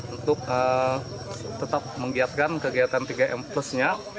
untuk tetap menggiatkan kegiatan tiga m plusnya